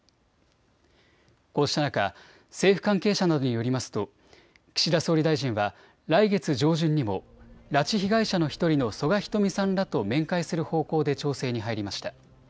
こうした中、政府関係者などによりますと岸田総理大臣は来月上旬にも拉致被害者の１人の曽我ひとみさんらと面会する方向で調整に入りました。